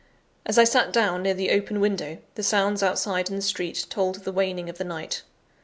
As I sat down near the open window, the sounds outside in the street told of the waning of the night.